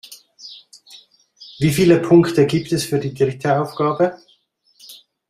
Wie viele Punkte gibt es für die dritte Aufgabe?